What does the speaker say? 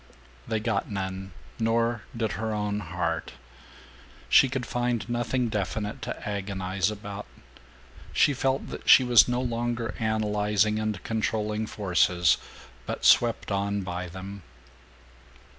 They got none, nor did her own heart. She could find nothing definite to agonize about. She felt that she was no longer analyzing and controlling forces, but swept on by them.